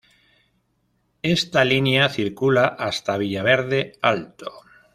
Esta línea circula hasta Villaverde Alto.